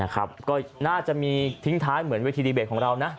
ก็น่าจะมีทิ้งท้ายเหมือนเวทีดีเบตของเรานะ